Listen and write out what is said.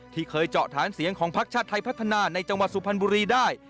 ที่เคยเจาะฐานเสียงของพักชาติไทยพัฒนาในจังหวัดสุพรรณบุรีได้